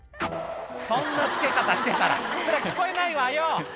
「そんな着け方してたらそりゃ聞こえないわよ！」